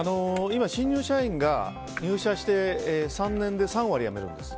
今、新入社員が入社して３年で３割辞めるんです。